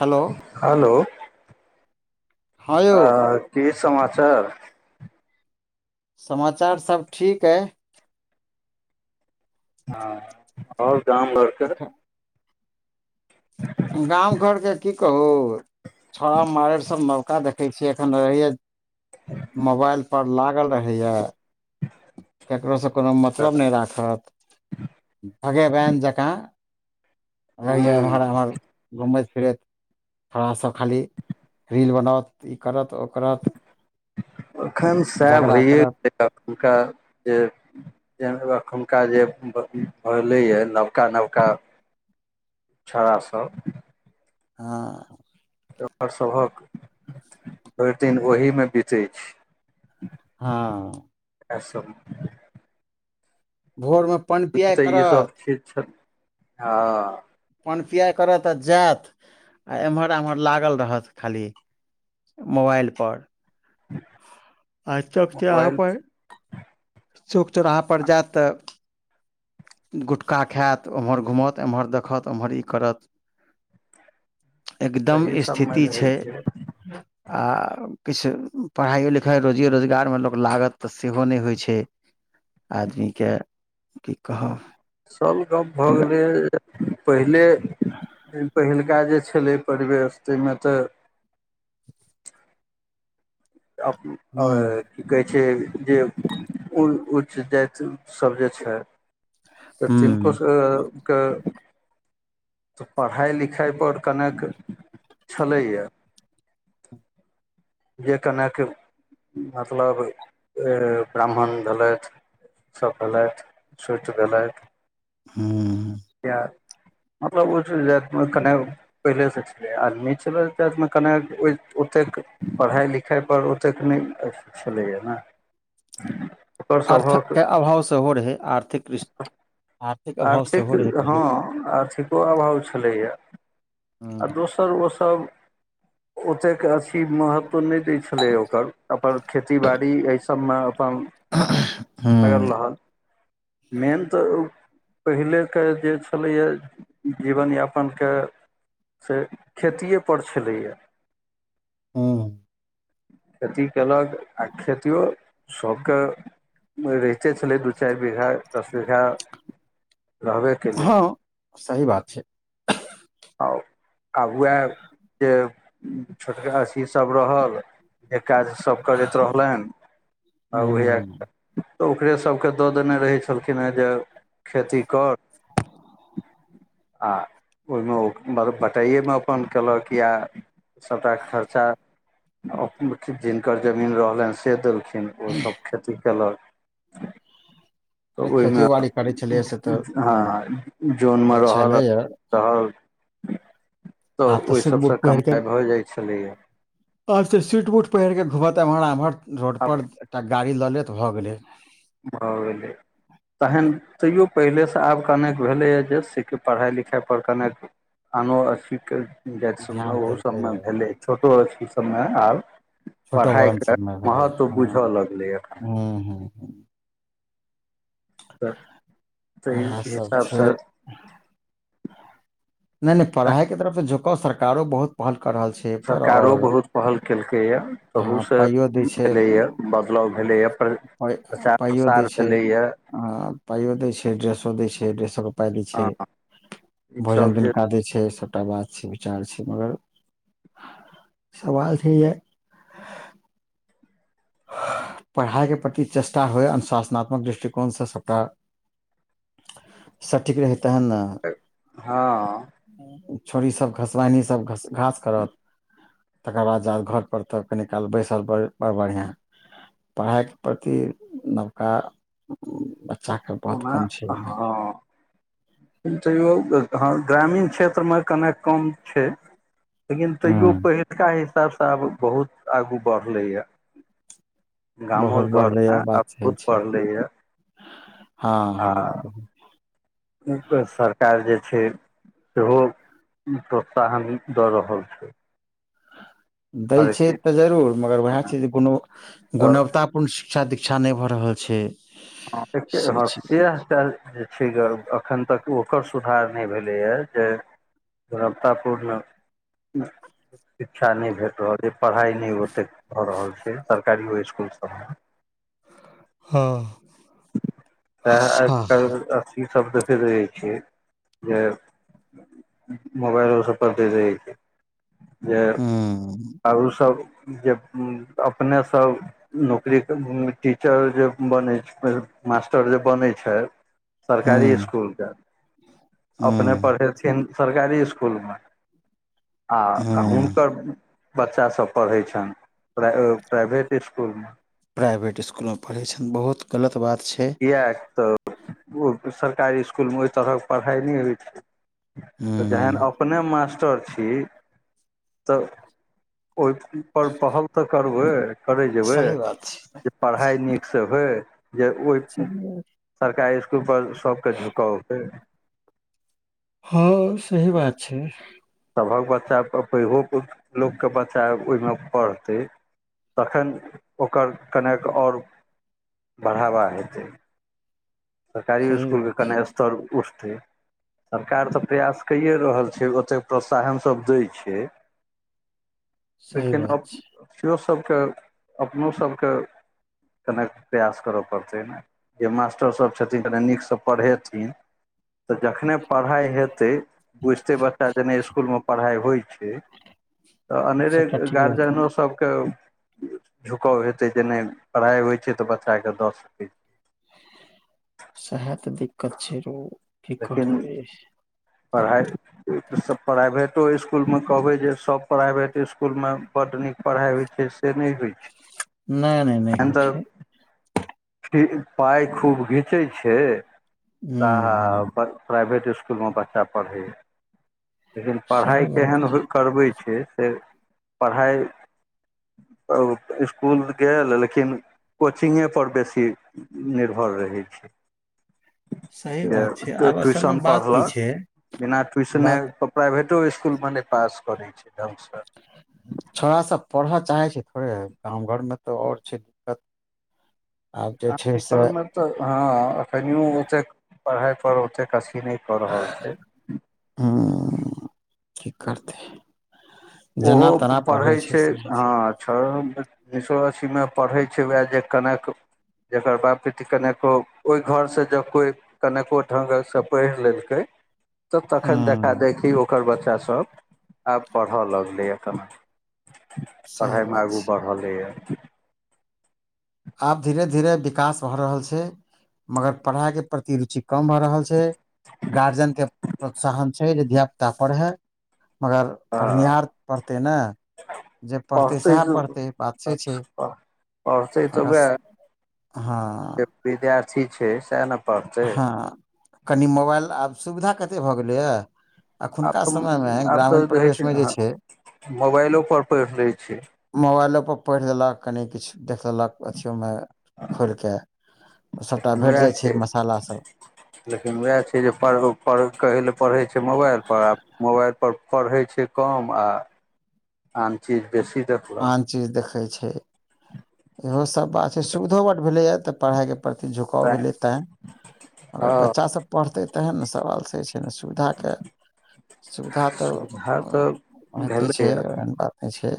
Hello hello [inaudible] हँ की समाचार समाचार सब ठीक अइ हँ और गाम घर केँ एखन गाम घर केँ की कहू छौड़ा माइर सब नबका देखे छिय एखन रहैय [unintelligible] मोबाइल पर लागल रहै यऽ ककरोसँ कोनो मतलब नै राखत [inaudible] भगेबैन जका आए ह यऽ एम्हर आम्हर घुमैत फिरैत [inaudible] छोड़ा सब खाली [inaudible] रील बनौत ई करत ओ करत [unintelligible] एखन सएह झगड़ा भइयए करत एखुनका जे जे एखुनका जे [unintelligible] भेललैए नवका नवका छोड़ा सब हँ ऐकर सभ कऽ [inaudible] भैर दिन ओहीमे बीतै छै हँ। [unintelligible] भोर मऽ पाइन पीआइ तऽ करत। [unintelligible] हँ। पन पीआइ करत आ जायत [inaudible] आ एम्हर आम्हर लागल रहत खाली। मोबाइल पर [inaudible] आज तक छै अहाँ मोबाइल पर। चौक चौराह पर जैत तऽ। गुटखा खैत ओम्हर घूमत एम्हर देखत ओम्हर ई करत। एकदम तही सबमे स्थिति रहै छै। [inaudible] आ किछ पढ़ाइओ लिखाइ रोजिए रोजगारमे लोक लागत तऽ सेहो नै होइ छै। आदमी केँ की कह [inaudible] असल गप भऽ गेलैए जे पहिले। फेन पहिल का जे छलै परिवेश तैयमे तऽ। हूँ [unintelligible] की कहै छै जे उऽ उच्च जैत सब जे छै। तऽ तनको। हूँ कऽ [inaudible] पढ़ाइ लिखाइ पर कनेक [inaudible] छलैया। जे कनेक [inaudible] मतलब ब्राह्मण भेलैथ। सब भेलैथ सोइत भेलैथ [unintelligible] य [inaudible] मतलब [unintelligible] पहिलेसँ छलै आदमी छल जा कने ओतेक पढ़ाइ लिख। खाइपर ओतेक नै अथी छलैए ने। ओकर आर्थ सभक केँ अभाव सेहो रहै आर्थिक दृष्टि। आर्थिक हँ आर्थिको अभाव छलैए। आ दोसर ओसभ ओतेक अथी महत्व नहि दैत छलै ओकर। अपन खेती बाड़ी एहि सबमे अपन लगल हूँ रहल। मेन तऽ। पहिले के जे छलैया जीवन यापन के। से खेतिए पर छलैए। हु खेती केलक आ खेतिओ सभके। रहिते छलै दू चारि बीघा दस बीघा रहबे। केलै हँ सही बात छै। आ आब उएह जे छोटका अथी सभ रहल जे काज सभ करैत रहलनि आ उएह हूँ तऽ ओकरे सबके दऽ देने रहै छलखिन हँ जे खेती कर। आ। ओहिमे मब बटाइएमे अपन केलक या सभटााक खर्चा जिनकर जमीन रहलनि से देलखिन ओसभ खेती कयलक अरे खेती ओहिमे यौ वारी। हँ जनमे अच्छा रहल एलैये रहल तऽ आब तऽ ओहि सूट सभसँ कमाइ भऽ जाइत छलैए। आब त सूट बूत पहिर के घुमत एम्हर आमहर रोड आब पर एकटा गाड़ी लऽ लेत भऽ गेले। भऽ गेल। तहन तैयो पहिलेसँ आब कनेक भेलैए जे से कि पढ़ाइ लिखाइपर कनेक हमु सुनलो ह जाति सभमे ध्यान ओहो देलकै सभ मे भेलै छोटो अथी सभमे आब। छोटो पढ़ाइ बड़न के सबमे भेलै महत्व हँ बुझय लगलै एखन। हूँ हूँ हूँ तऽ ताहि इएह सब हिसाब छै सँ नहि नहि पढ़ाइ के तरफसँ झुको सरकारो बहुत पहल कऽ रहल छै ओपर सरकारो आओर बहुत पहल केलकैए ह तहूसँ पाइयो दै छै भेलैए बदलाव भेलैए प्र पाइ प्रचार पाइओ दै प्रसार छै भेलैए आ पाइयो दै छै ड्रेसो दै छै ड्रेसो के पाइ दै छै भोजन ईसभ दिन जे कदै छै सबटा बात छै विचार छै मगर सवाल छै य पढ़ाइके प्रति चेटा होए अनुशासनात्मक दृष्टिकोणसँ सभटा सठीक रहत तहन न हँ छोरी सभ घसबैनी सभ घ घास करत तकर बाद जात घर पर तऽ कनी काल बैसल बड़ बड़ बढ़िआँ पढ़ाइके प्रति नबका बच्चाके बहुत ओना कम छै हन तैयौ हँ ग्रामीण क्षेत्र मे कनेक कम छै लेकिन तैयओ हूँ पहिलुका हिसाब सँ आब बहुत आगू बढ़लैए गामो बहुत घर बढ़लैए है बात आब सही खुद छै पढ़ले ये हँ आ हँ ऊपर सरकार जे छै सेहो प्रोत्साहन दऽ रहल छै दै हरेक छै चीज तऽ जरूर मगर उएह छै जे गुण तऽ गुणवत्ता कोन शिक्षा दीक्षा नहि भऽ रहल छै [unintelligible] से छै एखन तक ओकर सुधार नहि भेलैएा जे तो रा में सौ पुरलौ शिक्षा नहि भेट रहल छै पढ़ाइ नहि ओतेक भऽ रहल छै सरकारिओ सकुलसब में हँ तै आइ हँ काल्हि अथीसभ देखैत रहै छियै जे मोबाल में ओ सबपरले रहैत छै जे हूँ आरोसभ जे अपने सब नौकरी सब टीचर जे बनै छै मास्टर जे बनै छैथ सरकारी हूँ इसकुलके अपने हूँ पढ़ेथिन सरकारी इसकुलमे आ हूँ हुनकर बच्चासभ पढ़ैत छनि प्राइभेट इस्कुलमे प्राइवेट स्स्कूल मे पढ़े छयथि बहुत गलत बात छै किएक तऽ सरकारी इसकुलमे ओहि तरहक पढ़ाइ नहि होइ छै तऽ जेहन हूँ अपने मास्टर छी तऽ ओहि पर पहल तऽ करबै करै जेबै सही बात जे पढ़ाइ नीक से होए जे मुर्ख स सरकारी इसकुल पर सबके झुकाव छै हँ सही बात छै सभक बच्चा पैघ लोकके बच्चा ओहिमे पढ़तै तखन ओकर कनेक आओर बढ़ावा हेतै सरकारी सही बात इसकुलके छै कने स्तर उठतै सरकार तऽ प्रयास कैए रहल छै ओतेक प्रोत्साहन सब दै छै सही लेकिन बात छै अथिियओ सभके अपनो सभके कनेक प्रयास करऽ पड़तै ने जे मास्टरसभ छथिन क नीकसँ पढ़ेथिन तऽ जखने पढ़ाइ हेतै बुझिते बच्चा जेने सकुलमे पढ़ाइ होइत छै तऽ अनेरे सबटा ठीक बात है गार्जियनो सबके झुकाव हेतै जे नहि पढ़ाइ होइ छै तऽ बच्चाकेँ दऽ सकै छै सएह तऽ दिक्कत छै रो की लेकिन करतै पढ़ाइ प्राइभेटो इस्कुलमे कहबै जे सभ प्राइभेट इस्कुलमे बड नीक पढ़ाई होइ छै से नहि होइ छै। नहि नहि नहि एखन हो छै। तऽ पाइ खूब घीचै छै तऽ हूं हूं प्राइवेट इसकुलमे बच्चा पढ़ैए लेकिन पढ़ाइ सही बात केहन हो करबै छै से पढ़ाइ स्कूल गेल लेकिन कोचिंगे पर बेसी से निर्भर रहै छै। सही बात छै जे आब असल मे ट्यूशन बात की पढ़लक छै बिना ट्यूशने बात प्राइभेटो इसकुलमे नहि पास करै छै दिया पुता छौड़ास सभ पढ़य चाहैत छै थोड़े गाम घरमे तऽ आओर छै दिक्कत आब जे छै से घरमे तऽ हँ अखनो ओतेक पढ़ाइ पर ओतेक अथी नहिछै ह की करबिहि ओहो पढ़ै छै हँ छओ सओ अस्सीमे पढ़ैत छै उएह जे कनक जकर बाप पिटी कनिको ओहि घरसँ जँ कोइ कनेको डग से पढ़ि लेलकै तऽ तखन हूं देखा देखी ओकर बच्चा सभ आब पढ़य लगलैए कन सही पढ़ाइमे बात आगू छै बढ़ रहलैए आब धीरे धीरे विकास भऽ रहल छै, मगर पढ़ाइके प्रति रुचि कम भऽ रहल छै गार्जियन के प्रोत्साहन छै जे धिया पुता पढ़है मगर हँ पढ़निहार पढ़तै ने जे पढ़तै सएह पढ़तै बात से छै पढ़तै तऽ मगर वएह जे हँ विद्यार्थी छै सएह ने पढ़तै हँ कनि मोबाइल आब सुविधा कतेक भऽ गेलैए। आब अखुनका तऽ समय मे आब ग्रामीण तऽ रहै परवेश मे जे ने छै मोबाइलो पर पढ़ि लै छै मोबाइलो पर पढ़ि लेलक कनि किछु देखि लेलक अथिओमे खोलि कऽ सभटा भेट जाइ छै मसाला सभ लेकिन वएह छै जे पढ़ कहे ले पढ़े छै मोबाइल पर आ मोबाइल पर पढ़े छै कम आ आन चीज बेसी त आन चीज देखैत छै इहो सभ बात छै सुविधो बड भेलैए तऽ पढ़ाइके प्रति झुकाव तैं भेलै ते अगर हँ बच्चा सब पढ़ते ते ने सवाल से छै फेनो सुविधा के सुविधा तऽ सुविधा तऽ होइते छै भेलैए एहन बात नहि छै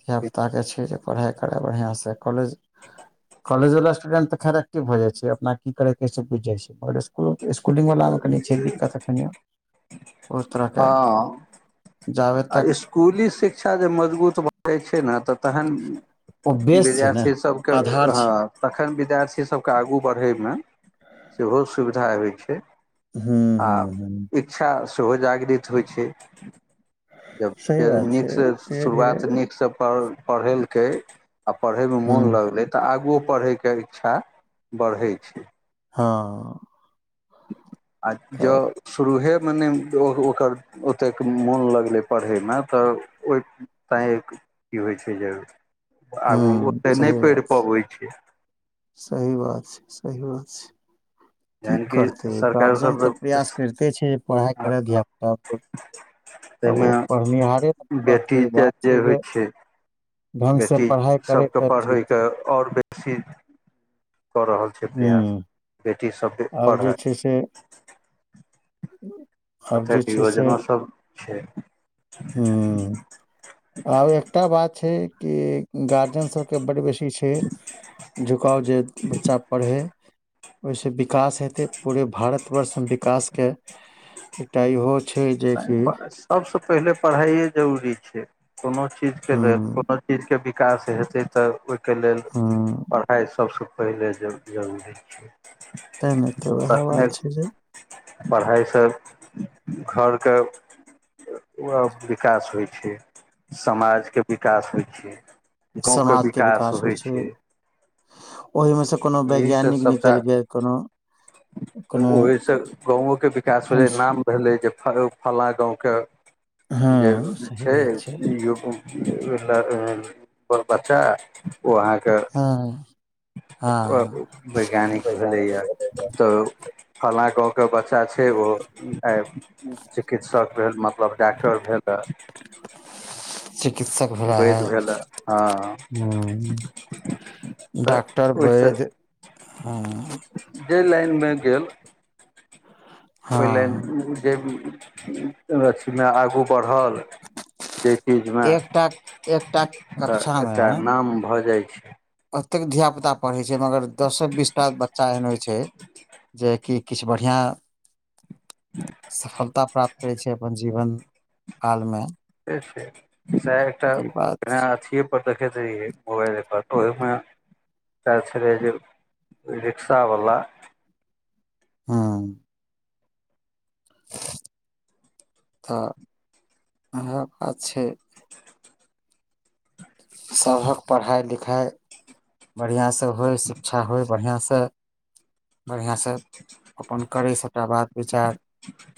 धिया पुताके छै जे पढ़ाइ कराइ बढ़िआँसँ कॉलेज [inaudible] कॉलजला स्टूडेंट त खर एक्टिव भ जाइ छै अपना क कर बुझि जाइ छै इसकुलिंग वला मे कनि छै दिक्कत एखनि बहुत तरहके हँ जाबे आ तक इसकुली शिक्षा जे मजबूत भऽ जाइत छै ने तऽ तहन ओ बेस छै ने विद्यार्थी सबके आधार हँ छै तखन विद्यार्थी सभ के आगू बढ़ै मे सेहो सुविधा होइ छै हूँ आ हूँ हूँ इच्छा सेहो जागृत होइ छै जब सही फेर बात छै नीक से धीरे धीरे शुरुआत नीक सब पढ़ेल कै आ पढ़ै मे मोन हूँ लगलै तऽ आगूओ पढ़ैके इच्छा बढ़ै छै। हँ आ जो तऽ शुरुएमे नहि ओकर ओतेक मोन लगलै पढ़ैमे तऽ ओहि तैँ की होइत छै जे आगू हूँ ओतेक नहि सही बात पढ़ि छै, पबैत छै सही बात छै, सही बात छै की जहन कि करतै सरकार गार्जियन सब तऽ प्रयास करिते छै पढ़ाइ करय धियाापुता। आ ओ ताहिमे पढ़निहारे न पढ़तै बेटी के बात छै होइ जे ढंग सँ बेटी पढ़ाइ करै सबके तऽ ठीक पढ़यके छै। आओर बेसी कऽ रहल छै प्रयास हुं बेटी सब जे आब पढ़य। छै [inaudible] कतेक छै से योजना सभ छै। हुं आब एकटा बात छै कि गार्जियन सभके बड्ड बेसी छै झुकाव जे बच्चा पढ़य। ओइसँ विकास हेतै पूरे भारतवर्षमे विकास के एकटा इहो छै जेकि। सबसे पहिले पढ़ाई जरूरी छै कोनो चीज केँ हुं लेल कोनो। चीजकेँ विकास हेतै तऽ ओइकेँ लेल हुं पढ़ाइ सबसँ। पहिले जाउ जरूरी छैै। तै नै तऽ औहें बात छै जे। पढ़ाइ सब [inaudible] घर कऽ। विकास होइ छै समाज केँ विकास होइ छै। गाँव कऽ समाज विकास होइ छै। ओहिमे से कोनो एहिसँ वैज्ञानिक सभटा निकलि गेल कोनो। कोनो ओहिसँ गाँव केँ विकास भेलै अंश नाम। भेलै जे [unintelligible] फलना गाँव के जे हँ सही छै। बात [unintelligible] बच्चा ओ अहाँ केँ। [unintelligible] हँ वैज्ञानिक भेलैएा तऽ फलना गाँव। कऽ बच्चा छै ओ आइ चिकित्सक भेल मतलब डॉक्टर भेलऽ। चिकित्सक भेला हे वैद्य भेल हँ हूँ तऽ डॉक्टर ओहिसँ वैद हँ जे लाइन मे गेल ओहि लाइन हँ जे अथी मे आगू बढ़ल देखी जेना एकटा एकटा त कक्षा मे एकटा नाम भ जाइ छै ओतेक धिया पुता पढ़ैत छै मगर दसे बीस टा बच्चा एहन होइ छै जे कि किछ बढ़ियाँ सफलता प्राप्त करै छै अपन जीवन कालमे से छै सएह एकटा पने छै अथिए पर देखैत रहियै मोबाइले पर ओहिमे एकटा छलै जे रिक्शावला हँ तऽ इएह बात छै सभक पढ़ाइ लिखाइ बढ़िआँ सँ होय शिक्षा होइ बढ़ियाँ सँ बढ़ियाँ सँ अपन करै सभटा बात विचार [inaudible]